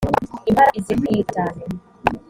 impala izikwiruka cyane.